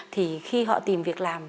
thì khi họ tìm việc làm